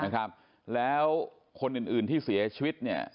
นะครับแล้วคนอื่นอื่นที่เสียชีวิตเนี่ย